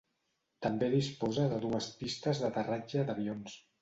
També disposa de dues pistes d'aterratge d'avions.